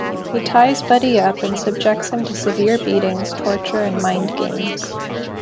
He ties Buddy up and subjects him to severe beatings, torture and mind games.